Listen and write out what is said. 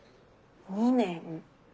２年。